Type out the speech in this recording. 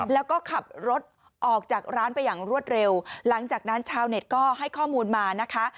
แล้วก็ขับรถออกจากร้านไปอย่างรวดเร็วหลังจากนั้นชาวเน็ตก็ให้ข้อมูลมานะคะ